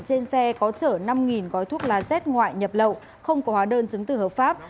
trên xe có chở năm gói thuốc lá z ngoại nhập lậu không có hóa đơn chứng tử hợp pháp